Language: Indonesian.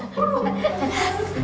aduh aduh aduh